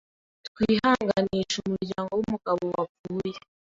Twihanganishije umuryango w’umugabo wapfuye